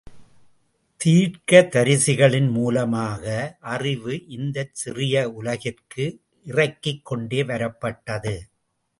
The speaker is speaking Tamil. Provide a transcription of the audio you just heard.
தீர்க்க தரிசிகளின் மூலமாக அறிவு இந்தச் சிறிய உலகத்திற்கு இறக்கிகொண்டு வரப்பட்டது.